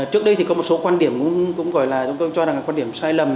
trước đây thì có một số quan điểm cũng gọi là chúng tôi cho rằng là quan điểm sai lầm